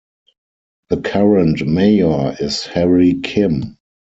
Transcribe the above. The current mayor is Harry Kim.